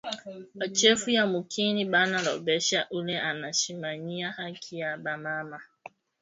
Bachefu ya mukini bana lombesha ule ana shimamiya haki ya ba mama